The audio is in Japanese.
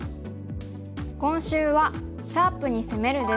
今週は「シャープに攻める」です。